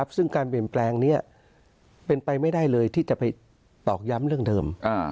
ซึ่งการเปลี่ยนแปลงนี้เป็นไปไม่ได้เลยที่จะไปตอกย้ำเรื่องเดิม